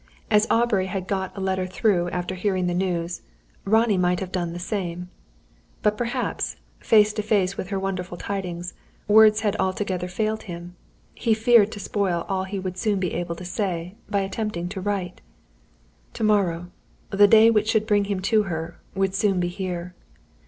As Aubrey had got a letter through after hearing the news, Ronnie might have done the same. But perhaps, face to face with her wonderful tidings, words had altogether failed him. He feared to spoil all he would so soon be able to say, by attempting to write. To morrow the day which should bring him to her would soon be here.